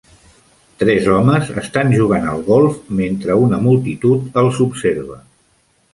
Tres homes estan jugant al golf mentre una multitud els observa.